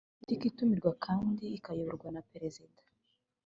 biro politiki itumirwa kandi ikayoborwa na perezida